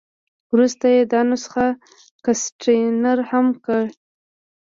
وروسته یې دا نسخه ګسټتنر هم کړه.